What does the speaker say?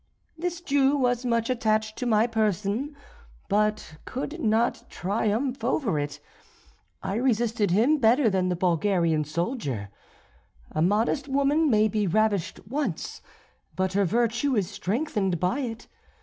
This Jew was much attached to my person, but could not triumph over it; I resisted him better than the Bulgarian soldier. A modest woman may be ravished once, but her virtue is strengthened by it.